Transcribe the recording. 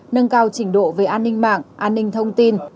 nâng cao trình độ về an ninh mạng an ninh thông tin